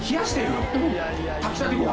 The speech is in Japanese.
炊きたてご飯を？